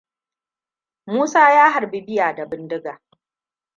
Musa ya harbi bear da bindiga.